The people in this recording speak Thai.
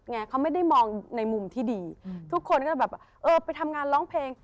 เขาไม่ได้มองในมุมที่ดีทุกคนก็จะแบบเออไปทำงานร้องเพลง